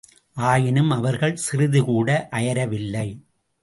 ஆயினும், அவர்கள் சிறிதுகூட அயரவில்லை.